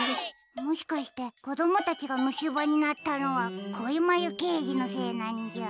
もしかしてこどもたちがむしばになったのはこいまゆけいじのせいなんじゃ。